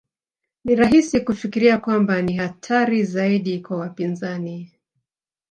Ni rahisi kufikiria kwamba ni hatari zaidi kwa wapinzani